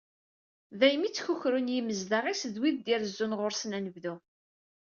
Daymi i ttkukrun yimezdaɣ-is, d wid i d-irezzun ɣur-sen anebdu.